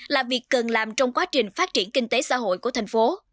là việc cần làm trong quá trình phát triển kinh tế xã hội của thành phố